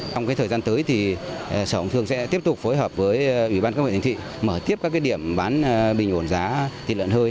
trong thời gian tới thì sở hồng thương sẽ tiếp tục phối hợp với ủy ban cấp huyện thành thị mở tiếp các điểm bán bình ổn giá thịt lợn hơi